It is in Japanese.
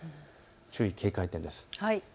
注意、警戒点です。